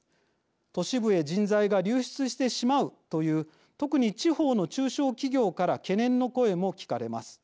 都市部へ人材が流出してしまうという特に地方の中小企業から懸念の声も聞かれます。